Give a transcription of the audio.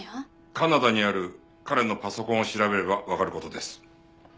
カナダにある彼のパソコンを調べればわかる事です。